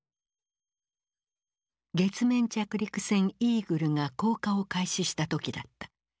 月面着陸船イーグルが降下を開始した時だった。